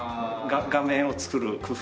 画面を作る工夫が。